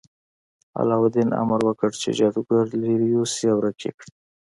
علاوالدین امر وکړ چې جادوګر لرې یوسي او ورک یې کړي.